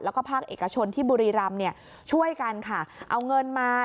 แล้วก็ภาคเอกชนที่บุรีรำเนี่ยช่วยกันค่ะเอาเงินมา